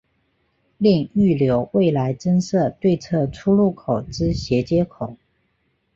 另预留未来增设对侧出入口之衔接口。